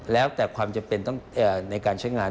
แล้วแต่ความจำเป็นต้องในการใช้งาน